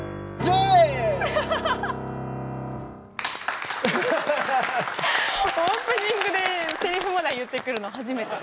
オープニングでせりふまで言ってくるの初めて。